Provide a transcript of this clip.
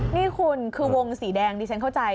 นี่คุณคือวงสีแดงดิฉันเข้าใจ